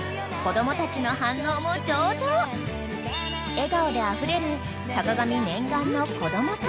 ［笑顔であふれる坂上念願のこども食堂］